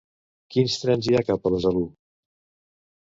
Quins trens hi ha cap a Besalú?